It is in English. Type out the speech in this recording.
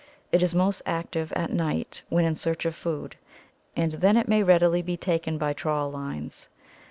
It is most active at night when in search of food, and then it may readily be taken by trawl lines.